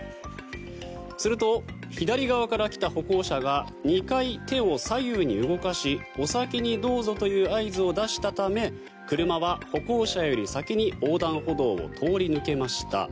すると、左側から来た歩行者が２回、手を左右に動かしお先にどうぞという合図を出したため車は歩行者より先に横断歩道を通り抜けました。